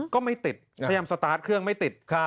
ก็ไม่ติดพยายามสตาร์ทเครื่องไม่ติด